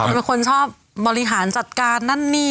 เป็นคนชอบบริหารจัดการนั่นนี่